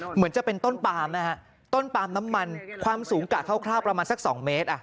เหมือนจะเป็นต้นปามนะฮะต้นปาล์มน้ำมันความสูงกะคร่าวประมาณสัก๒เมตร